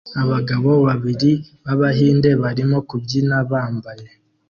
Abagabo babiri b'Abahinde barimo kubyina bambaye